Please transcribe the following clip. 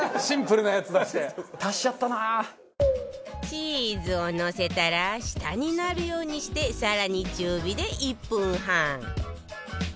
チーズをのせたら下になるようにして更に中火で１分半